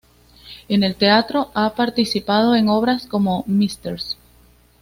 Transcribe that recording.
En el teatro ha participado en obras como "Mrs.